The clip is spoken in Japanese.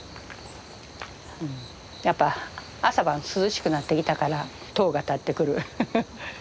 やっぱ朝晩涼しくなってきたからとうが立ってくるフフッ。